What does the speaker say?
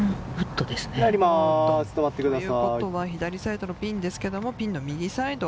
ということは左サイドのグリーンですけど、ピンの右サイド。